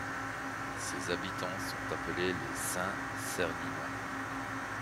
Ses habitants sont appelés les Saint-Serninois.